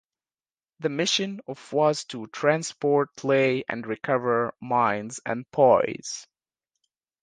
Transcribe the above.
The mission of was to transport, lay and recover mines and buoys.